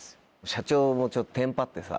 社長もちょっとテンパってさ。